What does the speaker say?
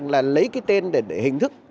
là lấy cái tên để hình thức